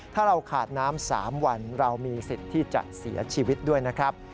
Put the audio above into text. ถ้าเราขาดน้ำ๓วันเรามีสิทธิ์ที่จะเสียชีวิตด้วยนะครับ